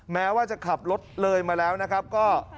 แม้ว่าจะขับรถเลยมาแล้วนะครับก็